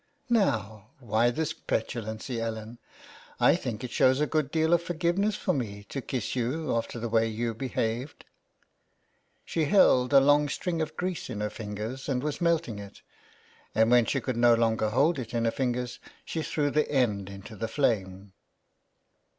'* Now, why this petulancy, Ellen ? I think it shows a good deal of forgiveness for me to kiss you after the way you behaved." She held a long string of grease in her fingers, and was melting it, and when she could no longer hold it in her fingers, she threw the end into the flame.